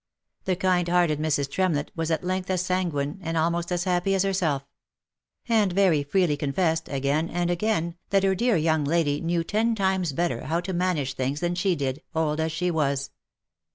The kind hearted Mrs. Tremlett was at length as sanguine, and almost as happy as herself; and very freely confessed, again and again, that her dear young lady knew ten times better how to manage things than she did, old as she was.